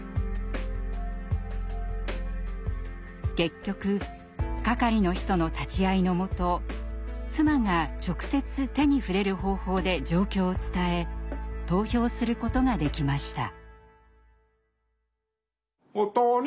結局係の人の立ち合いのもと妻が直接手に触れる方法で状況を伝え投票することができました。